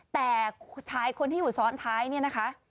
แต่ชายคนที่อยู่ซ้อนท้ายเนี่ยนะคะ